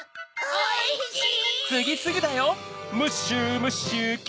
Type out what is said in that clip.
おいしい！